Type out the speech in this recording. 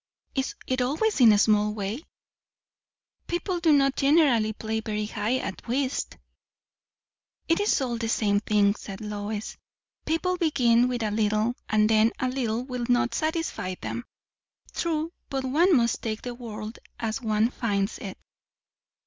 "Is it always in a small way?" "People do not generally play very high at whist." "It is all the same thing," said Lois. "People begin with a little, and then a little will not satisfy them." "True; but one must take the world as one finds it."